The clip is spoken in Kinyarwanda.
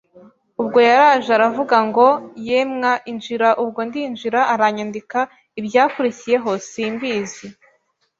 Ubwo yaraje aravuga ngo ye mwa injira ubwo ndinjira aranyandika ibyakurikiyeho simbizi